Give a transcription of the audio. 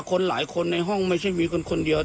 คนหลายคนในห้องไม่ใช่มีคนคนเดียว